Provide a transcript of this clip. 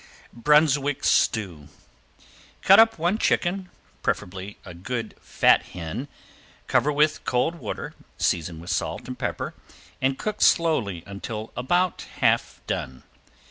~BRUNSWICK STEW~ Cut up one chicken, preferably a good fat hen, cover with cold water, season with salt and pepper, and cook slowly until about half done.